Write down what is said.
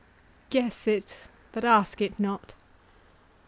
"Guess it, but ask it not.